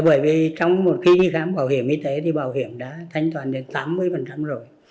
bởi vì trong một khi đi khám bảo hiểm y tế thì bảo hiểm đã thanh toán được tám mươi rồi